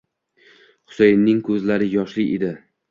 Xusayinning ko'zlari yoshli edi.